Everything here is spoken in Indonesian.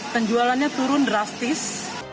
penjualannya turun drastis